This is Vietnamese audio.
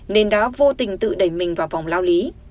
nên đã vô tình tự đẩy mình vào vòng lao lý